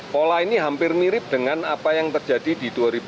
pola ini hampir mirip dengan apa yang terjadi di dua ribu dua puluh